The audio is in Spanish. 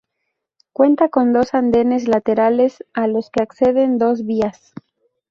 Cuenta con dos andenes laterales a los que acceden dos vías.